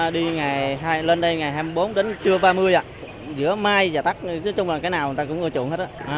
đi lên đây ngày hai mươi bốn đến trưa ba mươi ạ giữa mai và tắc chứ chung là cái nào người ta cũng ngồi chuộng hết ạ